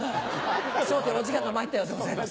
『笑点』お時間がまいったようでございます。